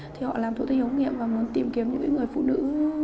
thì họ làm thủ thi hỗ nghiệm và muốn tìm kiếm những người phụ nữ